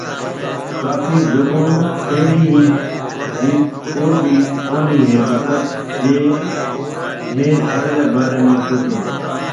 ڪافي جگون اهڙي هي جيٿ ڪو ڀي ڪونهي هي مطلب جي ميهه ٿڙ ري باري ۾ سوچون تو